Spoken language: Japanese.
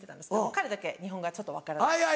彼だけ日本語がちょっと分からない。